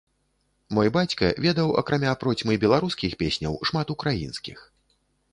Мой бацька ведаў акрамя процьмы беларускіх песняў шмат украінскіх.